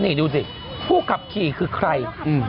นี่ดูสิผู้ขับขี่คือใคร